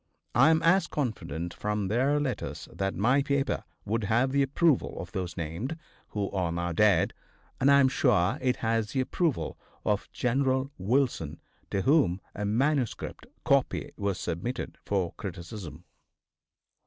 I am as confident, from their letters, that my paper would have the approval of those named, who are now dead, as I am sure it has the approval of General Wilson, to whom a manuscript copy was submitted for criticism.